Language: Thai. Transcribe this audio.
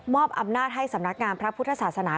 อำนาจให้สำนักงานพระพุทธศาสนา